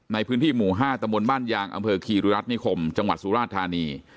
ในพื้นที่หมู่๕ตะมนต์บ้านยางอำเภอคีริรัฐนิคมจังหวัดสุราชธานี